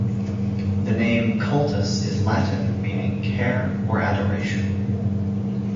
The name "cultus" is Latin meaning "care" or "adoration.